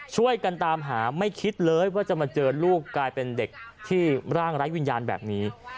ช่วยกันตามหาไม่คิดเลยว่าจะมาเจอลูกกลายเป็นเด็กที่ร่างไร้วิญญาณแบบนี้